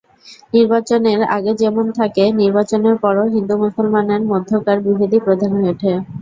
নির্বাচনের আগে যেমন থাকে, নির্বাচনের পরও হিন্দু-মুসলমানের মধ্যকার বিভেদই প্রধান হয়ে ওঠে।